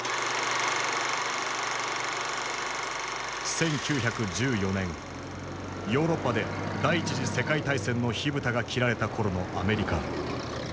１９１４年ヨーロッパで第一次世界大戦の火蓋が切られた頃のアメリカ。